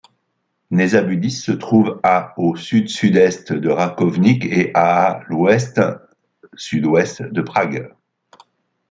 Nezabudice se trouve à au sud-sud-est de Rakovník et à à l'ouest-sud-ouest de Prague.